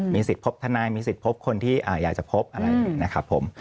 สิทธิ์พบทนายมีสิทธิ์พบคนที่อยากจะพบอะไรนะครับผม